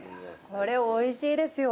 これおいしいですよ。